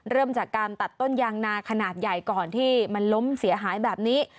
เริ่มจากการตัดต้นยางนาขนาดใหญ่ก่อนที่มันล้มเสียหายแบบนี้